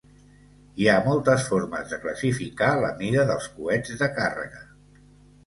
Hi ha moltes formes de classificar la mida dels coets de càrrega.